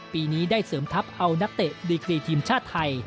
ปีนี้ได้เสริมทัพเอานักเตะดีกรีทีมชาติไทย